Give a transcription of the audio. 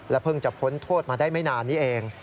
เพิ่งจะพ้นโทษมาได้ไม่นานนี้เอง